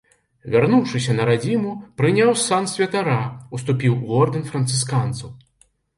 Вярнуўшыся на радзіму, прыняў сан святара, уступіў у ордэн францысканцаў.